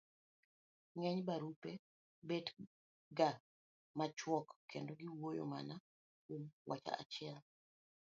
ng'eny barupe bet ga machuok kendo giwuoyo mana kuom wach achiel